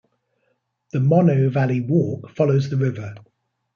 The Monnow Valley Walk follows the river.